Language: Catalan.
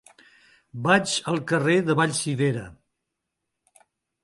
Vaig al carrer de Vallcivera.